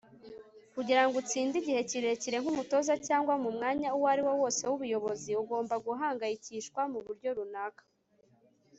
kugira ngo utsinde igihe kirekire nk'umutoza cyangwa mu mwanya uwo ari wo wose w'ubuyobozi, ugomba guhangayikishwa mu buryo runaka